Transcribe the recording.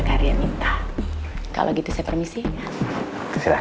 saya akan mencari bukti bukti yang lebih penting